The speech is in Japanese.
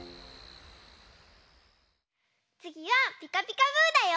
つぎは「ピカピカブ！」だよ。